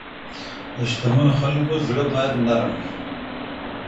د شتمنو خلګو زړه بايد نرم وي.